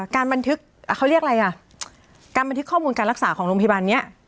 บันทึกเขาเรียกอะไรอ่ะการบันทึกข้อมูลการรักษาของโรงพยาบาลนี้